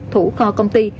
thủ kho công ty